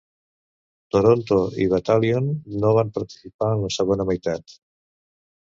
Toronto i Battalion no van participar en la segona meitat.